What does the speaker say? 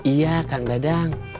iya kang dadang